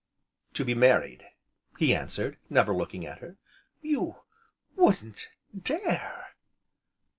"To be married!" he answered, never looking at her. "You wouldn't dare!"